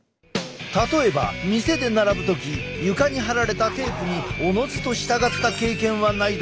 例えば店で並ぶ時床に貼られたテープにおのずと従った経験はないだろうか？